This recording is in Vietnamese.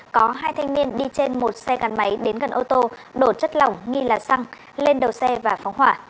có hai thanh niên đi trên một xe gắn máy đến gần ô tô đổ chất lỏng nghi là xăng lên đầu xe và phóng hỏa